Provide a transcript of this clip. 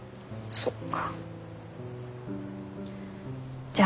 そっか。